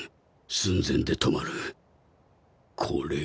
寸前で止まる。